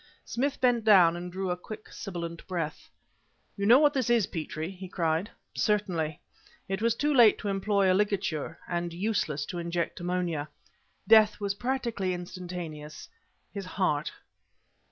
Smith bent down and drew a quick, sibilant breath. "You know what this is, Petrie?" he cried. "Certainly. It was too late to employ a ligature and useless to inject ammonia. Death was practically instantaneous. His heart..."